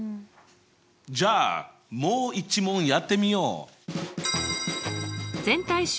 じゃあもう一問やってみよう！